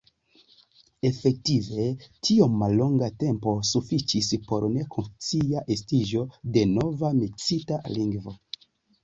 Efektive, tiom mallonga tempo sufiĉis por nekonscia estiĝo de nova miksita lingvo.